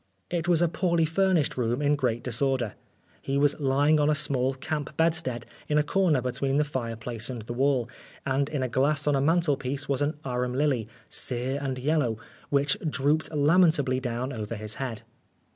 It was a poorly furnished room, in great disorder. He was lying on a 155 Oscar Wilde small camp bedstead in a corner between the fireplace and the wall, and in a glass on a mantelpiece was an arum lily, sere and yellow, which drooped lamentably down over his head.